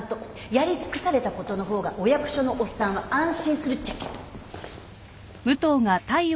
やり尽くされたことの方がお役所のおっさんは安心するっちゃけん。